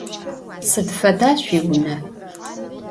Sıd feda şsuiune?